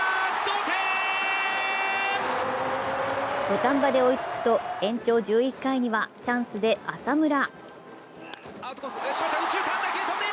土壇場で追いつくと延長１１回には、チャンスで浅村。